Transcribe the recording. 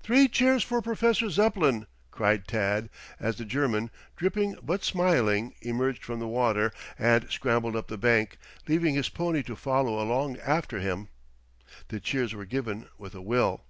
"Three cheers for Professor Zepplin!" cried Tad as the German, dripping but smiling, emerged from the water and scrambled up the bank, leaving his pony to follow along after him. The cheers were given with a will.